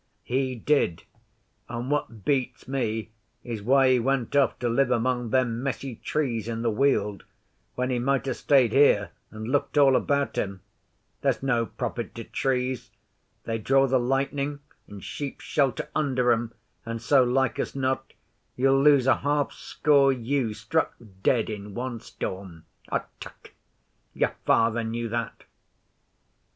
'He did. And what beats me is why he went off to live among them messy trees in the Weald, when he might ha' stayed here and looked all about him. There's no profit to trees. They draw the lightning, and sheep shelter under 'em, and so, like as not, you'll lose a half score ewes struck dead in one storm. Tck! Your father knew that.